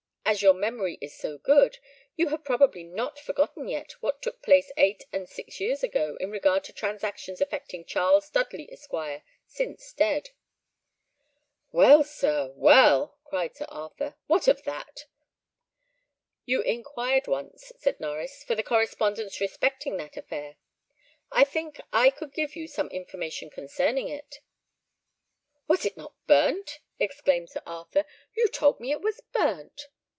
As your memory is so good, you have probably not forgotten yet what took place eight and six years ago, in regard to transactions affecting Charles Dudley, Esquire, since dead." "Well, sir, well!" cried Sir Arthur, "what of that?" "You inquired once," said Norries, "for the correspondence respecting that affair; I think I could give you some information concerning it." "Was it not burnt?" exclaimed Sir Arthur. "You told me it was burnt."